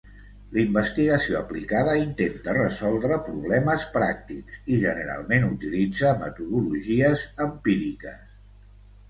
L"investigació aplicada intenta resoldre problemes pràctics i generalment utilitza metodologies empíriques.